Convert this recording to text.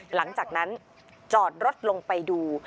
หลังจากนั้นจอดรถลงไปดู